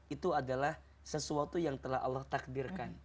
itu adalah sesuatu yang telah allah takdirkan